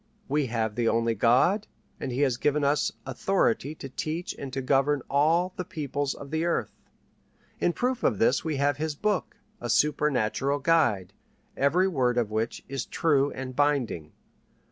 We have the only God, and he has given us authority to teach and to govern all the peoples of the earth. In proof of this we have His Book, a supernatural guide, every word of which is true and binding.